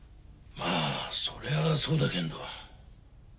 まあそれはそうだけんど。